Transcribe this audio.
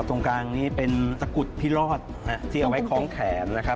ตรงกลางนี้เป็นตะกุดพิรอดที่เอาไว้คล้องแขนนะครับ